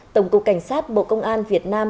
tổng cục cảnh sát bộ công an việt nam